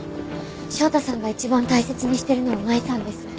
翔太さんが一番大切にしてるのは麻衣さんです。